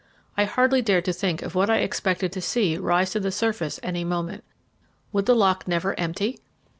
I hardly dared to think of what I expected to see rise to the surface any moment. Would the lock never empty?